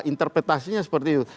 interpretasinya seperti itu